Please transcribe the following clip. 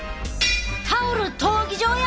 タオル闘技場やで！